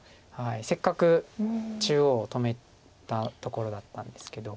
せっかく中央止めたところだったんですけど。